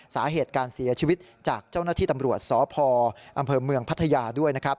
สาเหตุการเสียชีวิตจากเจ้าหน้าที่ตำรวจสพอำเภอเมืองพัทยาด้วยนะครับ